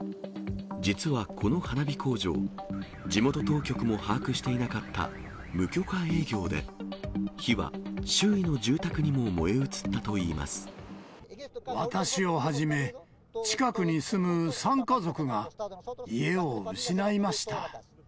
実はこの花火工場、地元当局も把握していなかった無許可営業で、火は周囲の住宅にも私をはじめ、近くに住む３家族が家を失いました。